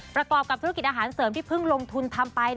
ประกอบกับธุรกิจอาหารเสริมที่เพิ่งลงทุนทำไป